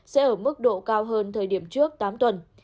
sẽ ở mức độ cao hơn thời điểm trước tám tuần